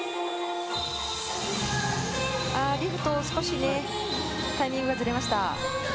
リフトが少しタイミングがずれました。